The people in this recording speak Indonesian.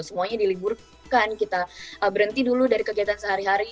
semuanya diliburkan kita berhenti dulu dari kegiatan sehari hari